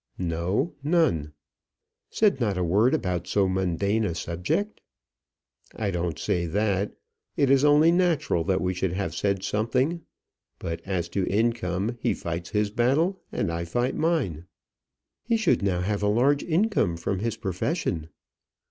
"No none." "Said not a word about so mundane a subject?" "I don't say that; it is only natural that we should have said something. But as to income, he fights his battle, and I fight mine." "He should now have a large income from his profession."